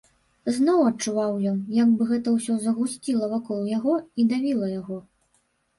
Зноў адчуваў ён, як бы гэта ўсё згусцілася вакол яго і давіла яго.